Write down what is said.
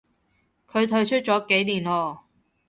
佢退出咗幾年咯